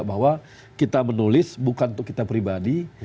bahwa kita menulis bukan untuk kita pribadi